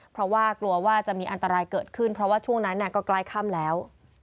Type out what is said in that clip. เพราะว่ากลัวว่าจะมีอันตรายเกิดขึ้นเพราะว่าช่วงนั้นก็ใกล้ค่ำแล้ว